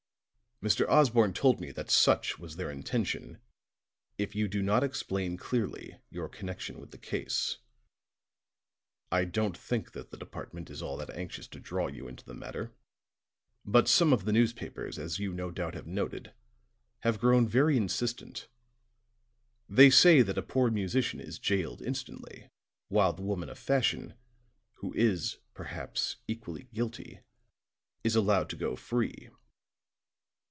"Mr. Osborne told me that such was their intention, if you do not explain clearly your connection with the case. I don't think that the Department is at all anxious to draw you into the matter; but some of the newspapers, as you no doubt have noted, have grown very insistent. They say that a poor musician is jailed instantly, while the woman of fashion, who is perhaps equally guilty, is allowed to go free.